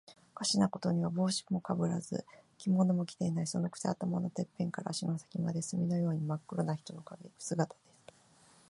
おかしなことには、帽子もかぶらず、着物も着ていない。そのくせ、頭のてっぺんから足の先まで、墨のようにまっ黒な人の姿です。